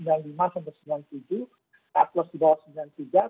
artplos di bawah sembilan puluh tiga